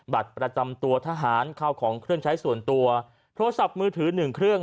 บัตรประจำตัวทหารเข้าของเครื่องใช้ส่วนตัวโทรศัพท์มือถือหนึ่งเครื่อง